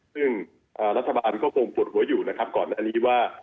ซึ่งรัฐบาลก็คงปวดหัวอยู่นะครับก่อนอันนี้ว่า